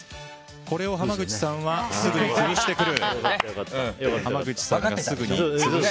これを濱口さんはすぐ潰してくる。